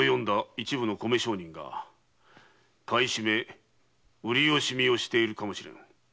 一部の米商人が買い占め・売り惜しみをしているかもしれぬ。